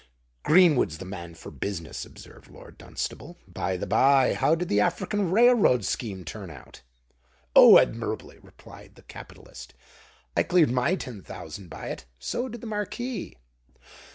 "Greenwood's the man for business," observed Lord Dunstable. "By the by, how did the African Railroad scheme turn out?" "Oh! admirably," replied the capitalist. "I cleared my ten thousand by it: so did the Marquis."